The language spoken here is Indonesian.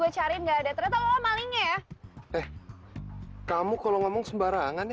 cari enggak ada terlalu maling ya eh kamu kalau ngomong sembarangan ya hai kutip manis